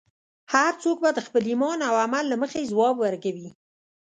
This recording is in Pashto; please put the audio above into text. هر څوک به د خپل ایمان او عمل له مخې ځواب ورکوي.